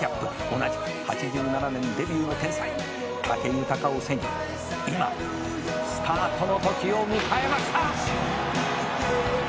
「同じく８７年デビューの天才武豊を背に今スタートのときを迎えました」